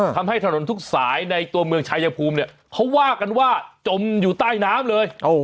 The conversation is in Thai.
ทำให้ถนนทุกสายในตัวเมืองชายภูมิเนี่ยเขาว่ากันว่าจมอยู่ใต้น้ำเลย